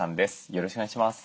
よろしくお願いします。